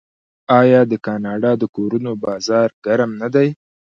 آیا د کاناډا د کورونو بازار ګرم نه دی؟